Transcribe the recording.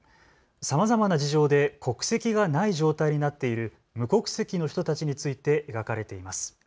さまざまな事情で国籍がない状態になっている無国籍の人たちについて描かれています。